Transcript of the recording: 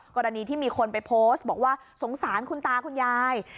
กรณีที่มีคนไปโพสต์บอกว่าสงสารคุณตาคุณยาย